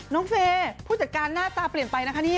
เฟย์ผู้จัดการหน้าตาเปลี่ยนไปนะคะนี่